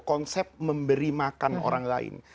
konsep memberi makan orang lain